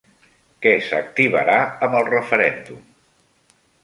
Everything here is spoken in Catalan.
Què s'activarà amb el referèndum?